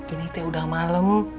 ini udah malem